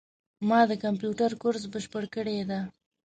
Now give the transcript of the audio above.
ما د کامپیوټر کورس بشپړ کړی ده